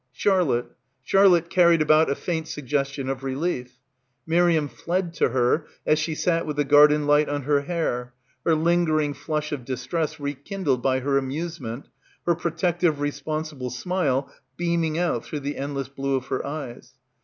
... Charlotte. Charlotte carried about a faint suggestion of relief. Miriam fled to her as she sat with the garden light on her hair, her lingering flush of distress rekindled by her amusement, her protective responsible smile beaming out through the endless blue of her eyes.